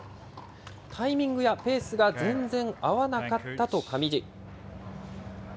タイミングやペースが全然合わなかったと上地。